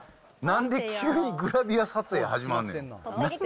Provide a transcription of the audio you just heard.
なんで急にグラビア撮影始まんねん。